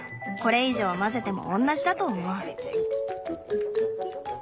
これ以上混ぜてもおんなじだと思う。